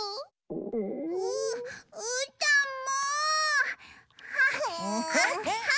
ううーたんも！